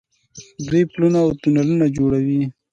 دوی پلونه او تونلونه جوړوي.